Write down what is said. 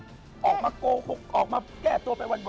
ออกมาโกหกออกมาแก้ตัวไปวัน